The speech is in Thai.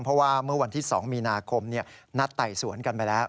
เพราะว่าเมื่อวันที่๒มีนาคมนัดไต่สวนกันไปแล้ว